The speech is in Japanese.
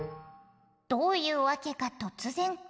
どういうわけかとつぜん